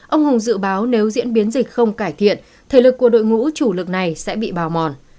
ông hùng dự báo nếu diễn biến dịch không cải thiện thể lực của đội ngũ chủ lực này sẽ bị bào mòn